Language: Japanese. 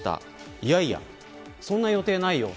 いやいや、そんな予定ないよ。